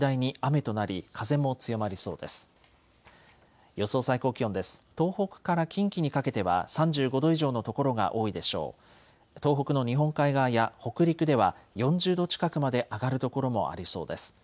東北の日本海側や北陸では４０度近くまで上がる所もありそうです。